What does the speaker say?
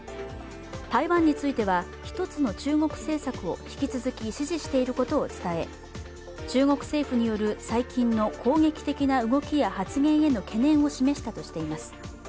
台湾については一つの中国政策を引き続き支持していることを伝え、中国政府による最近の攻撃的な動きや発言への懸念を示したとしています。